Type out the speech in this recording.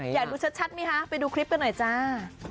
อยากดูชัดไหมคะไปดูคลิปกันหน่อยจ้า